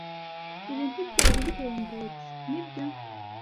Ibi ntibyari bihendutse, nibyo?